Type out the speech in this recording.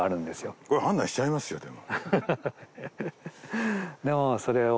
これ判断しちゃいますよでも。